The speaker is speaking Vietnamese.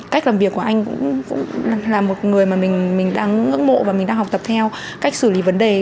cách làm việc của anh cũng là một người mà mình đang ngưỡng mộ và mình đang học tập theo cách xử lý vấn đề